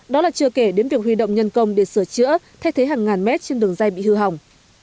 đó là chưa kể đến việc huy động nhân công để sửa chữa thay thế hàng ngàn mét trên đường dây bị hư hỏng